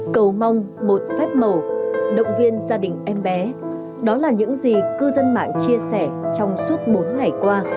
cầu mong một phép màu động viên gia đình em bé đó là những gì cư dân mạng chia sẻ trong suốt bốn ngày qua